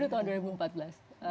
ini tahun dua ribu empat belas